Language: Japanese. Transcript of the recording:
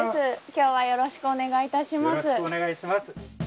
今日はよろしくお願いいたします。